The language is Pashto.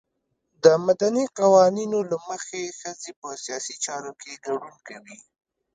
د مدني قوانینو له مخې ښځې په سیاسي چارو کې ګډون کوي.